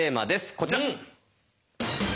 こちら！